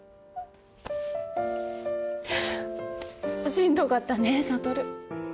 しんどかったね悟。